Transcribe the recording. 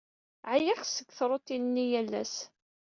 Ɛyiɣ seg trutint-nni n yal ass.